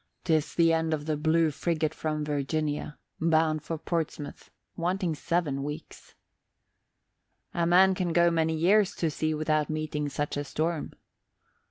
'Tis the end of the Blue Friggat from Virginia, bound for Portsmouth, wanting seven weeks." "A man can go many years to sea without meeting such a storm."